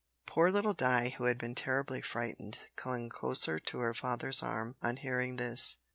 Poor little Di, who had been terribly frightened, clung closer to her father's arm on hearing this.